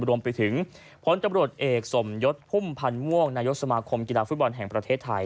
รวมไปถึงพลตำรวจเอกสมยศพุ่มพันธ์ม่วงนายกสมาคมกีฬาฟุตบอลแห่งประเทศไทย